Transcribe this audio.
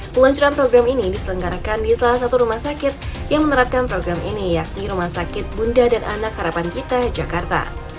peluncuran program ini diselenggarakan di salah satu rumah sakit yang menerapkan program ini yakni rumah sakit bunda dan anak harapan kita jakarta